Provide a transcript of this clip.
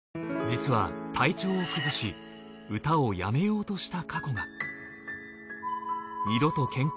実は体調を崩し歌を辞めようとした過去が。